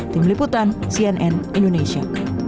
tim liputan cnn indonesia